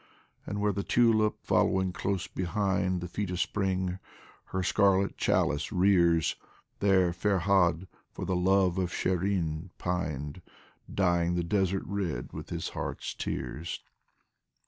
And where the tulip, following close behind The feet of Spring, her scarlet chalice rears. There Ferhad for the love of Shirin pined, Dyeing the desert red with his heart's tears.